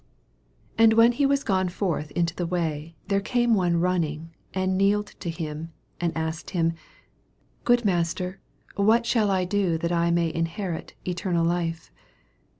17 And when Le was gone forth Into the way, there came one running, and kneeled to him, and asked him. Good Master, what shall I do that I may inherit eternal life